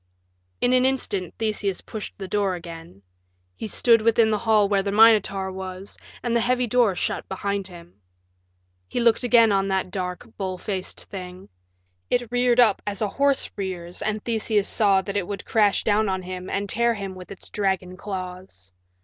In an instant Theseus pushed the door again. He stood within the hall where the Minotaur was, and the heavy door shut behind him. He looked again on that dark, bull faced thing. It reared up as a horse rears and Theseus saw that it would crash down on him and tear him with its dragon claws.